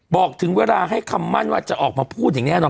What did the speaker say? บอกถึงเวลาให้คำมั่นว่าจะออกมาพูดอย่างแน่นอน